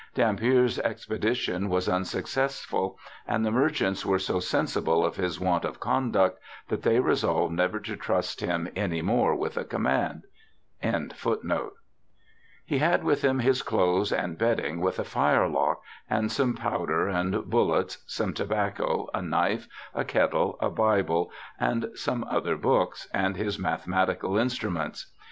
Dampier's expedition was unsuccessful, and 'the merchants were so sensible of his want of conduct, that they resolved never to trust him any more with a command '. 24 BIOGRAPHICAL ESSAYS him his clothes and bedding, with a firelock and some powder and bullets, some tobacco, a knife, a kettle, a bible, with some other books, and his mathematical instruments.